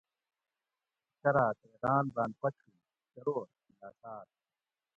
شرأ تے راۤن راۤن پڄھین ( چرور ) لاۤساۤت